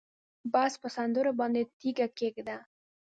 بس په سندرو باندې تیږه کېږده